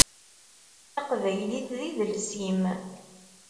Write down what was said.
Taqbaylit d idles-im.